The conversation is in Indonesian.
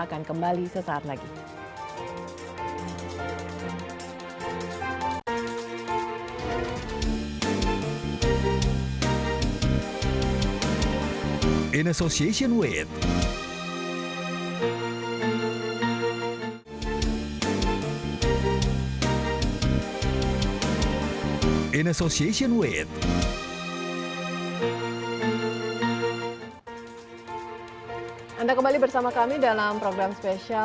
akan kembali sesaat lagi